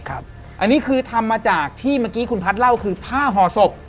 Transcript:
อันนี้คือทำมาจากที่เมื่อกี้คุณพัฒน์เล่าคือผ้าห่อศพ